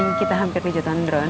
yang kita hampir ke jatuhan dron